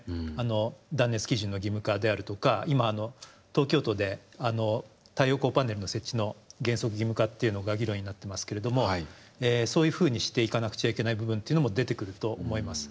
断熱基準の義務化であるとか今東京都で太陽光パネルの設置の原則義務化っていうのが議論になってますけれどもそういうふうにしていかなくちゃいけない部分というのも出てくると思います。